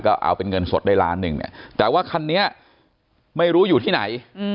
ก็เอาเป็นเงินสดได้ล้านหนึ่งเนี่ยแต่ว่าคันนี้ไม่รู้อยู่ที่ไหน